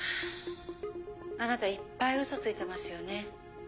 「あなたいっぱい嘘ついてますよね？」